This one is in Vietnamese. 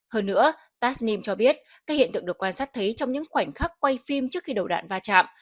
hơn nữa tastnim cho biết các hiện tượng được quan sát thấy trong những khoảnh khắc quay phim trước khi đầu đạn va chạm